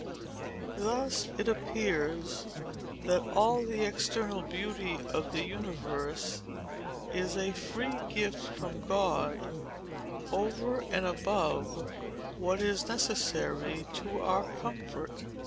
Thus it appears that all the external beauty of the universe is a free gift from God, over and above what is necessary to our comfort.